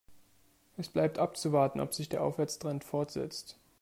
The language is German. Es bleibt abzuwarten, ob sich der Aufwärtstrend fortsetzt.